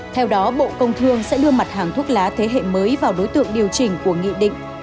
theo đó bộ công thương sẽ đưa mặt hàng thuốc lá thế hệ mới vào đối tượng điều chỉnh của nghị định